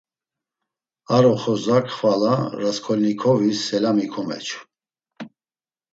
Ar oxorzak xvala Rasǩolnikovis selami komeçu.